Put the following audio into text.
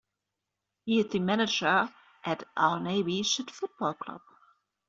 He is the manager at Al-Nabi Chit football club.